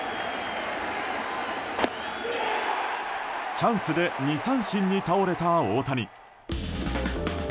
チャンスで２三振に倒れた大谷。